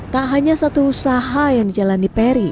tak hanya satu usaha yang dijalani perry